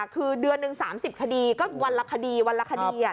คือเดือนหนึ่ง๓๐คดีก็วันละคดีวันละคดี